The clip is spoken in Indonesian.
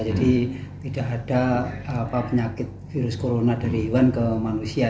jadi tidak ada penyakit virus corona dari hewan ke manusia